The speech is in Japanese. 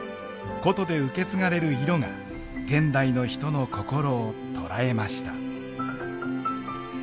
古都で受け継がれる色が現代の人の心を捉えました。